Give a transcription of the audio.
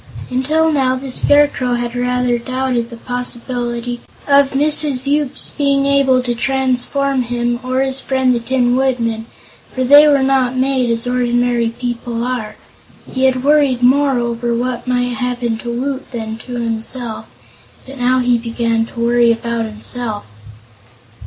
Until now the Scarecrow had rather doubted the possibility of Mrs. Yoop's being able to transform him, or his friend the Tin Woodman, for they were not made as ordinary people are. He had worried more over what might happen to Woot than to himself, but now he began to worry about himself.